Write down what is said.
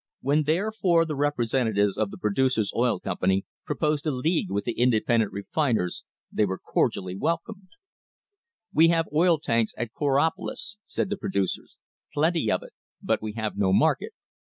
When, therefore, the representatives of the Producers' Oil Company proposed a league with the independent refiners they were cordially welcomed. A MODERN WAR FOR INDEPENDENCE We have oil in tanks at Coraopolis, said the producers, plenty of it, but we have no market.